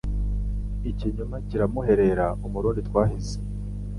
Ikinyoma kiramuherera Umurundi twahize,